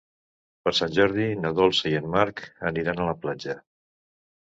Per Sant Jordi na Dolça i en Marc aniran a la platja.